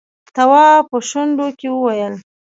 تواب په شونډو کې وويل: